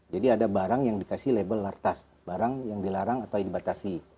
jadi ada barang yang dikasih label lartas barang yang dilarang atau dibatasi